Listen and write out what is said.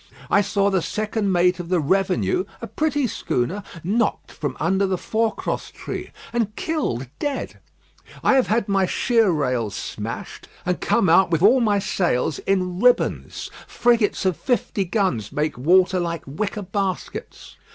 I saw the second mate of the Revenue, a pretty schooner, knocked from under the forecross tree, and killed dead. I have had my sheer rails smashed, and come out with all my sails in ribbons. Frigates of fifty guns make water like wicker baskets.